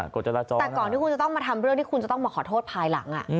กฎจราจรแต่ก่อนที่คุณจะต้องมาทำเรื่องที่คุณจะต้องมาขอโทษภายหลัง